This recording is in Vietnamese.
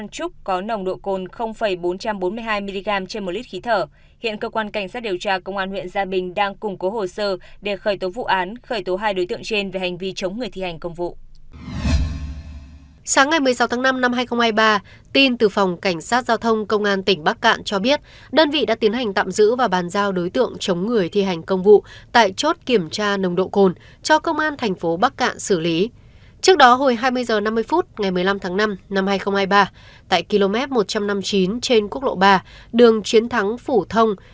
trước đó hồi hai mươi h năm mươi phút ngày một mươi năm tháng năm năm hai nghìn hai mươi ba tại km một trăm năm mươi chín trên quốc lộ ba đường chiến thắng phủ thông